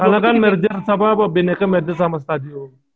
karena kan merger sama apa bineka merger sama stadium